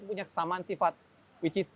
punya kesamaan sifat which is